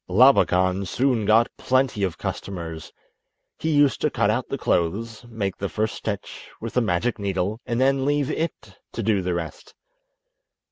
Labakan soon got plenty of customers. He used to cut out the clothes, make the first stitch with the magic needle, and then leave it to do the rest.